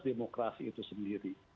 demokrasi itu sendiri